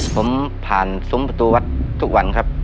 ผมผ่านซุ้มประตูวัดทุกวันครับ